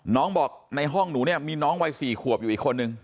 น้องบอกในห้องหนูเนี่ยมีน้องวัย๔ขวบอยู่อีกคนนึง